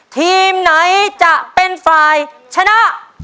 ทีมไหนจะเป็นฝ่ายชนะ